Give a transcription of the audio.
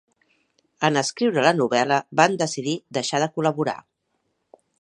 En escriure la novel·la, van decidir deixar de col·laborar.